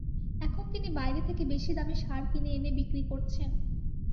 এখন তিনি বাইরে থেকে বেশি দামে সার কিনে এনে বিক্রি করছেন।